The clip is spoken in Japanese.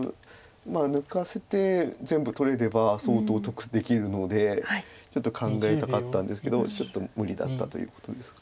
まあ抜かせて全部取れれば相当得できるのでちょっと考えたかったんですけどちょっと無理だったということですか。